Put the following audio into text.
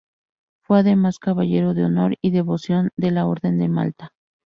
Fue además caballero de honor y devoción de la Orden de Malta.